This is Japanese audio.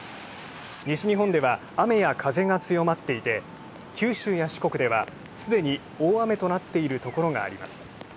西日本では雨や風が強まっていて九州や四国ではすでに大雨となっているところがあります。